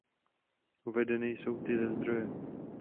Uvedeny jsou ty ze zdroje.